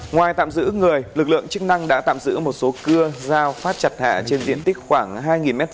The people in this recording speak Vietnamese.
ngoài tạm giữ người lực lượng chức năng đã tạm giữ một số cưa dao phát chặt hạ trên diện tích khoảng hai m hai